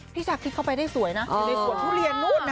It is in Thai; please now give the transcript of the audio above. พี่จักษ์คิดเข้าไปได้สวยนะอยู่ในส่วนพูเรียนนู้นนะฮะ